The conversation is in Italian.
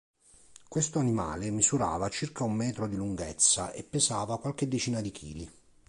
Questo animale misurava circa un metro di lunghezza e pesava qualche decina di chili.